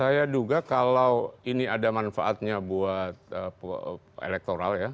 saya duga kalau ini ada manfaatnya buat elektoral ya